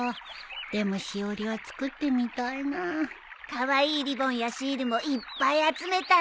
カワイイリボンやシールもいっぱい集めたの。